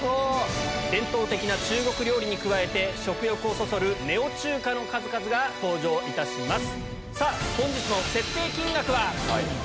伝統的な中国料理に加えて食欲をそそるネオ中華の数々が登場いたします。